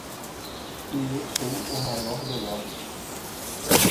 E eu sou o maior do lote.